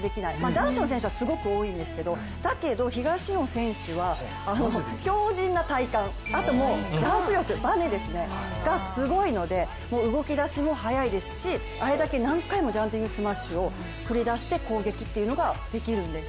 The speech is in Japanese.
男子の選手はすごく多いんですけど、だけど、東野選手は強じんな体幹、あとはバネ、ジャンプ力ですね、動きだしも速いですし、あれだけ何回もジャンピングスマッシュを繰り出して攻撃というのができるんです。